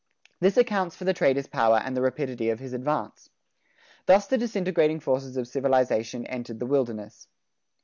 This accounts for the trader's power and the rapidity of his advance. Thus the disintegrating forces of civilization entered the wilderness.